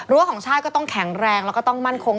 ของชาติก็ต้องแข็งแรงแล้วก็ต้องมั่นคง